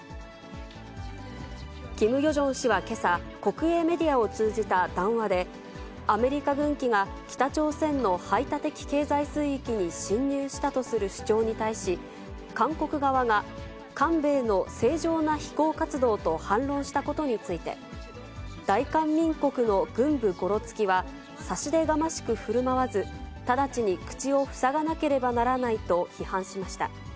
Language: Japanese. キム・ヨジョン氏はけさ、国営メディアを通じた談話で、アメリカ軍機が北朝鮮の排他的経済水域に侵入したとする主張に対し、韓国側が韓米の正常な飛行活動と反論したことについて、大韓民国の軍部ごろつきは、差し出がましくふるまわず、直ちに口を塞がなければならないと批判しました。